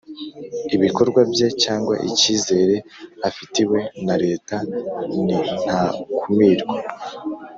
ibikorwa bye cyangwa icyizere afitiwe na leta nintakumirwa